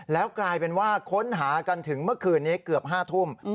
แล้วกลายเป็นว่าค้นหากันถึงเมื่อคืนนี้เกือบ๕ทุ่ม